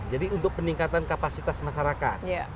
jadi untuk peningkatan kapasitas masyarakat